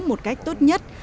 một cách tốt nhất